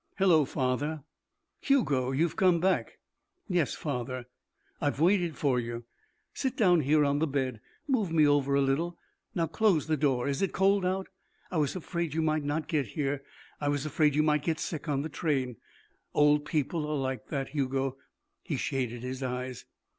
"Hello, father." "Hugo! You've come back." "Yes, father." "I've waited for you. Sit down here on the bed. Move me over a little. Now close the door. Is it cold out? I was afraid you might not get here. I was afraid you might get sick on the train. Old people are like that, Hugo." He shaded his eyes.